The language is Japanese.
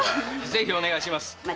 ぜひお願いします。